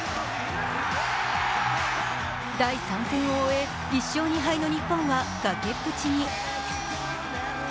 第３戦を終え、１勝２敗の日本は崖っぷちに。